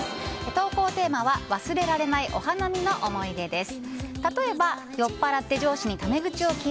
投稿テーマは忘れられないお花見の思い出です。